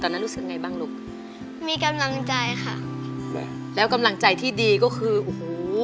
รู้สึกไงบ้างลูกมีกำลังใจค่ะแล้วกำลังใจที่ดีก็คือโอ้โห